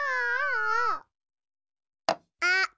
あっ。